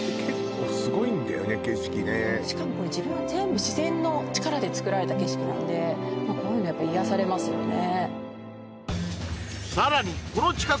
しかもこれ全部自然の力で作られた景色なんでこういうのやっぱり癒やされますよね